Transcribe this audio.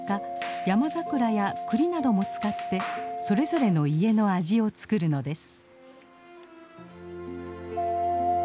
ヤマザクラやクリなども使ってそれぞれの家の味を作るのです。